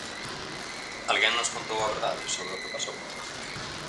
Alguén nos contou a verdade sobre o que pasou?